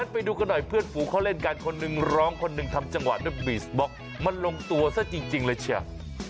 ไปดูกันหน่อยเพื่อนฝูงเขาเล่นกันคนหนึ่งร้องคนหนึ่งทำจังหวะด้วยบีสบล็อกมันลงตัวซะจริงเลยเชียว